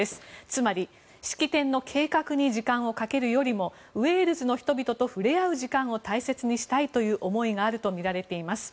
つまり、式典の計画に時間をかけるよりもウェールズの人々と触れ合う時間を大切にしたいという思いがあるとみられています。